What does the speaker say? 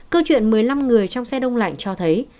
câu chuyện một mươi năm người trong xe đông lạnh cho thấy